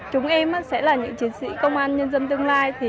chúng em sẽ là những chiến sĩ công an nhân dân tương lai